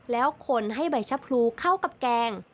แล้วคนให้ใบชะพรูเข้ากับแกง